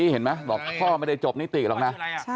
เห็นมั้ยว่าพ่อไม่ได้จบนิติหรอกนะ